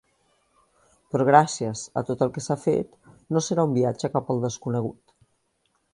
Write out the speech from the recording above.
Però gràcies a tot el que s'ha fet, no serà un viatge cap al desconegut.